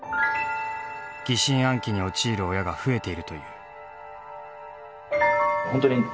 疑心暗鬼に陥る親が増えているという。